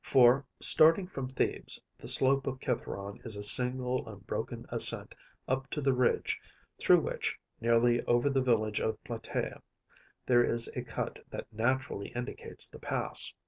For, starting from Thebes, the slope of Cithæron is a single unbroken ascent up to the ridge, through which, nearly over the village of Platæa, there is a cut that naturally indicates the pass.